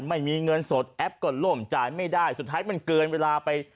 ไม่มีเงินสดแอปก็ล่มจ่ายไม่ได้สุดท้ายมันเกินเวลาไป